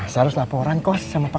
cilak cilak cilak